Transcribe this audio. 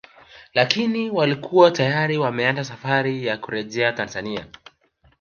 Lakini walikuwa tayari wameanza safari ya kurejea Tanzania